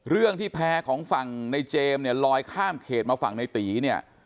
เรื่องที่แพร่ของฝั่งในเจมส์เนี่ยลอยข้ามเขตมาฝั่งในตีเนี่ย